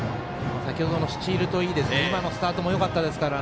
先ほどのスチールといい今のスタートもよかったですから。